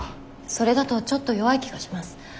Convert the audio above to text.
それだとちょっと弱い気がします。